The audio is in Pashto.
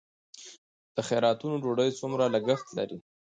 د خیراتونو ډوډۍ څومره لګښت لري؟